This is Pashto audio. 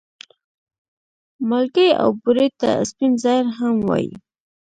مالګې او بورې ته سپين زهر هم وايې